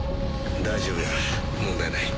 大丈夫や問題ない。